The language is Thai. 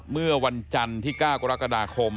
เมื่อวันจันทร์ที่๙กรกฎาคม